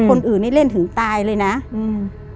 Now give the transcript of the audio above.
คนอื่นนี่เล่นถึงตายเลยน่ะอืม